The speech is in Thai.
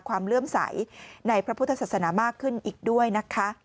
เลื่อมใสในพระพุทธศาสนามากขึ้นอีกด้วยนะคะ